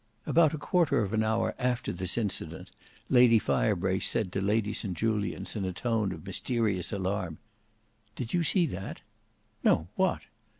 About a quarter of an hour after this incident, Lady Firebrace said to Lady St Julians in a tone of mysterious alarm. "Do you see that?" "No! what?"